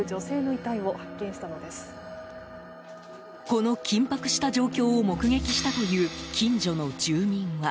この緊迫した状況を目撃したという近所の住民は。